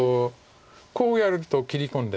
こうやると切り込んで。